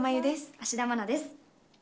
芦田愛菜です。